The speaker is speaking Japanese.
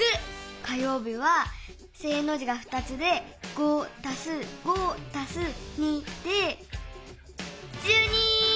火よう日は正の字が２つで５＋５＋２で１２！